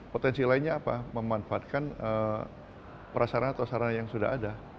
potensi lainnya apa memanfaatkan prasarana atau sarana yang sudah ada